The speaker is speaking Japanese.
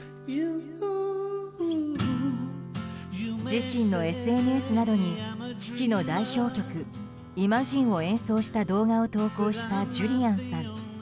自身のＳＮＳなどに父の代表曲「イマジン」を演奏した動画を投稿した、ジュリアンさん。